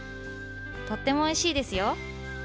とってもおいしいですよ